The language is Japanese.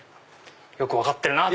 よく分かってるなぁと。